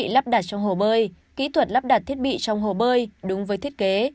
lắp đặt trong hồ bơi kỹ thuật lắp đặt thiết bị trong hồ bơi đúng với thiết kế